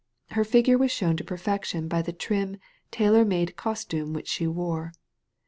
Her figure was shown to perfection by the trim, tailor made costume which she wore.